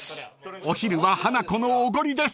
［お昼はハナコのおごりです］